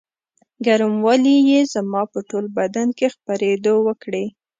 ګرموالي یې زما په ټول بدن کې خپرېدو وکړې.